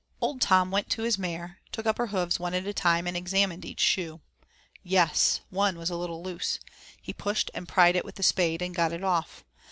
Old Tom went to his mare, took up her hoofs one at a time, and examined each shoe. Yes! one was a little loose; he pushed and pried it with the spade, and got it off.